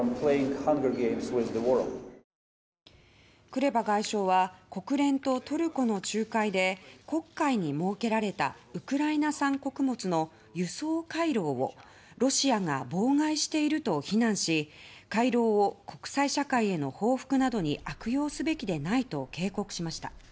クレバ外相は国連とトルコの仲介で黒海に設けられたウクライナ産穀物の輸送回廊をロシアが妨害していると非難し回廊を国際社会への報復などに悪用すべきでないと警告しました。